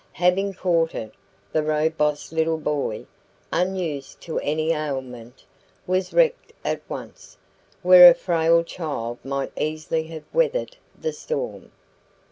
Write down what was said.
Having caught it, the robust little body, unused to any ailment, was wrecked at once, where a frail child might easily have weathered the storm.